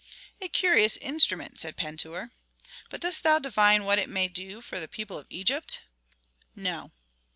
"A curious instrument!" said Pentuer. "But dost thou divine what it may do for the people of Egypt?" "No."